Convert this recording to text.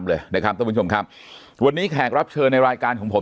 เลยนะครับท่านผู้ชมครับวันนี้แขกรับเชิญในรายการของผม